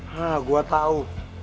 nah gue tau